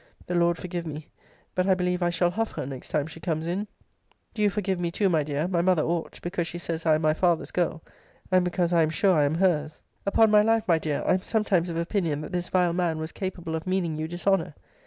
The Lord forgive me; but I believe I shall huff her next time she comes in.] * See Letter XX. of this volume. Ibid. Do you forgive me too, my dear my mother ought; because she says I am my father's girl; and because I am sure I am her's. [Upon my life, my dear, I am sometimes of opinion, that this vile man was capable of meaning you dishonour.